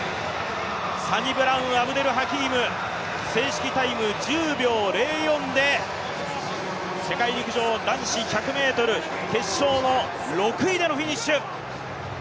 サニブラウン・アブデルハキーム、正式タイム１０秒０４で世界陸上男子１００ｍ決勝の６位でのフィニッシュ。